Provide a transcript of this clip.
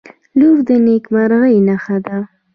• لور د نیکمرغۍ نښه ده.